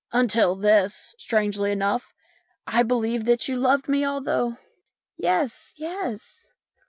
" Until this, strangely enough, I believed that you loved me, although " "Yes, yes."